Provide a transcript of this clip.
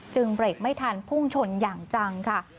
เบรกไม่ทันพุ่งชนอย่างจังค่ะ